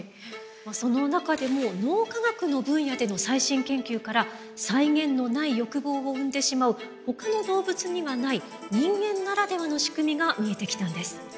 その中でも脳科学の分野での最新研究から際限のない欲望を生んでしまうほかの動物にはない人間ならではの仕組みが見えてきたんです。